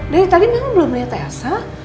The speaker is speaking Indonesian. dari tadi memang belum lihat elsa